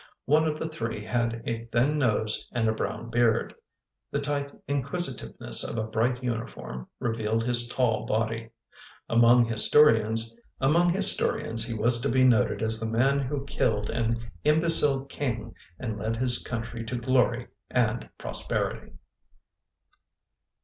One of the three had a thin nose and a brown beard — the tight inquisitiveness of a bright uniform revealed his tall body. Among historians he was to be noted as the man who killed an imbecile king and led his country to glory and prosperity.